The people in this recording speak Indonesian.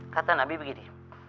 kata nabi begini